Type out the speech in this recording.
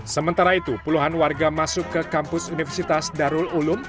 sementara itu puluhan warga masuk ke kampus universitas darul ulum